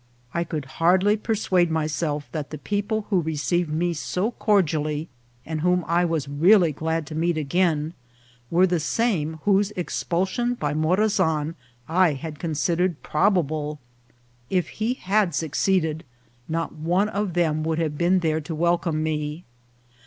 I could hardly persuade myself that the people who received me so cordially, and whom I was really glad to meet again, were the same whose expul sion by Morazan I had considered probable. If he had succeeded, not one of them would have been there to welcome me.